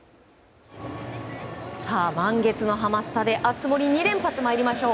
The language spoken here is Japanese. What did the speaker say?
満月のハマスタで熱盛２連発参りましょう。